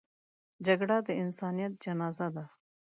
جګړه د انسانیت جنازه ده